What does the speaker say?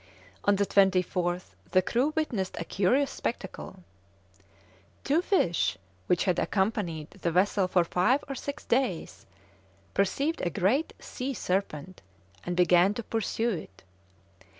On the 24th the crew witnessed a curious spectacle: "Two fish, which had accompanied the vessel for five or six days, perceived a great sea serpent, and began to pursue it.